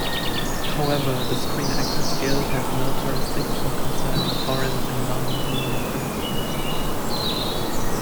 However, the Screen Actors Guild has no jurisdiction concerning foreign and non-union productions.